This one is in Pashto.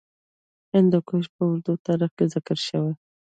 هندوکش په اوږده تاریخ کې ذکر شوی.